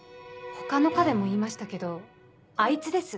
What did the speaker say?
他の科でも言いましたけどあいつです。